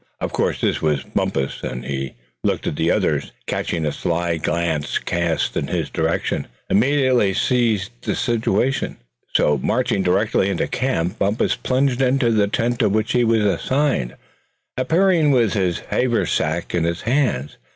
Of course this was Bumpus. He looked at the other, and catching a sly glance cast in his direction, immediately sized up the situation. So marching directly into the camp, Bumpus plunged into the tent to which he was assigned, appearing with his haversack in his hands.